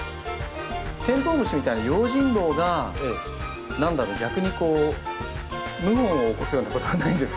テントウムシみたいな用心棒が何だろう逆にこう謀反を起こすようなことはないんですか？